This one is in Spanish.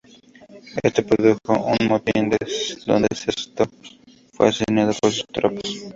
Esto produjo un motín donde Sexto fue asesinado por sus tropas.